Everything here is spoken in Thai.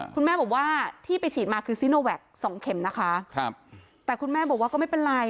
คุณแม่บอกว่าที่ไปฉีดมาคือซีโนแวคสองเข็มนะคะครับแต่คุณแม่บอกว่าก็ไม่เป็นไร